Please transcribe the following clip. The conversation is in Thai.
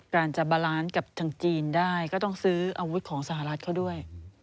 การจะบาลานซ์กับทางจีนได้ก็ต้องซื้ออาวุธของสหรัฐเขาด้วย